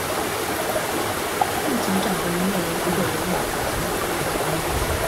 副組長的名額如果有五個